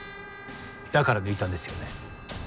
だから抜いたんですよね？